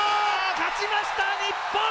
勝ちました日本！